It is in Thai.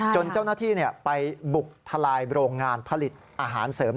จนเจ้าหน้าที่ไปบุกทลายโรงงานผลิตอาหารเสริม